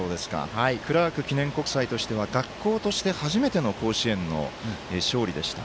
クラーク記念国際としては学校として初めての甲子園の勝利でした。